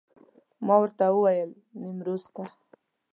ما ورته وویل نیمروز ته.